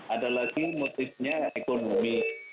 ada lagi motifnya ekonomi